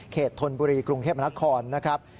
เขตธนบุรีกรุงเทพมนาคอร์นะครับ